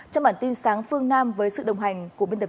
trong bản tin sáng phương nam với sự đồng hành của kim thảo